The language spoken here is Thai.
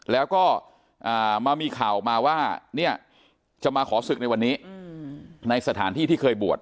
แล้วก็มามีข่าวออกมาว่าเนี่ยจะมาขอศึกในวันนี้ในสถานที่ที่เคยบวช